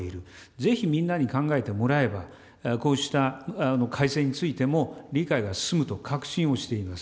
ぜひみんなに考えてもらえば、こうした改正についても理解が進むと確信をしています。